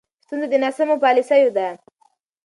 ستونزه د ناسمو پالیسیو ده.